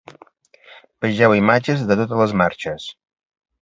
Vegeu imatges de totes les marxes.